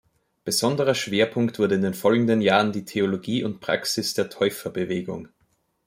Besonderer Schwerpunkt wurde in den folgenden Jahren die Theologie und Praxis der Täuferbewegung.